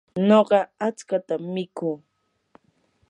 nuqa achkatam mikuu.